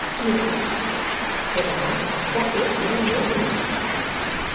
"Yes," said I. "That is my name."